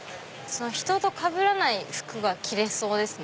ひととかぶらない服が着れそうです